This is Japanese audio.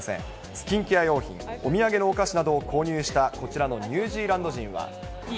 スキンケア用品、お土産のお菓子などを購入した、こちらのニュージーランド人は。